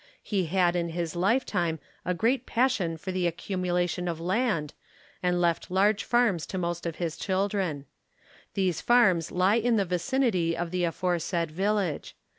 He had in his lifetime a great pas sion for the accumulation of land and left large farms to most of his children. These farms lie in the vicinity of the aforesaid village.